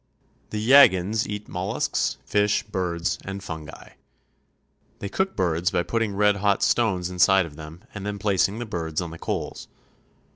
The Yaghans eat mollusks, fish, birds, and fungi. They cook birds by putting red hot stones inside of them and then placing the birds on the coals.